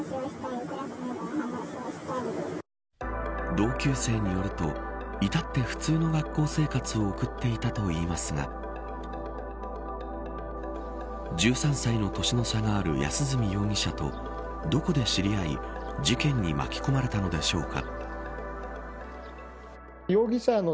同級生によると至って普通の学校生活を送っていたといいますが１３歳の年の差がある安栖容疑者とどこで知り合い事件に巻き込まれたのでしょうか。